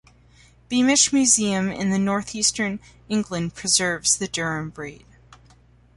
Beamish Museum in north-eastern England preserves the Durham breed.